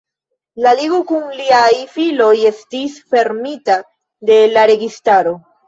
La Ligo kun liaj filoj estis fermita de la registaro.